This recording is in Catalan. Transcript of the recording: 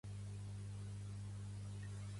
Pertany al moviment independentista la Marta?